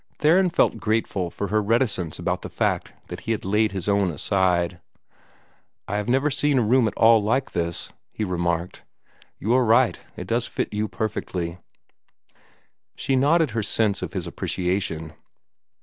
Theron felt grateful for her reticence about the fact that he had laid his own aside. "I have never seen a room at all like this," he remarked. "You are right; it does fit you perfectly." She nodded her sense of his appreciation.